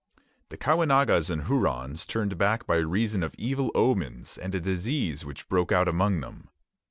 The Caughnawagas and Hurons turned back by reason of evil omens and a disease which broke out among them.